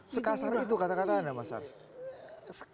sekasar itu kata kata anda mas ars